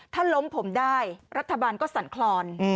ถ้าล้มผมได้รัฐบาลก็สั่นคลอน